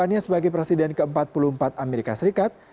bukannya sebagai presiden ke empat puluh empat amerika serikat